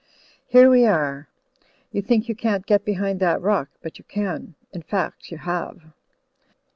Here we are. You think you can't get behind that rock, but you can. In fact, you have."